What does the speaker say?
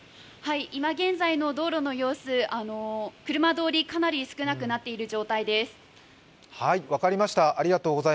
今現在の道路の様子、車通り、かなり少なくなっている状態です。